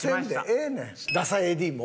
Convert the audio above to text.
ダサＡＤも？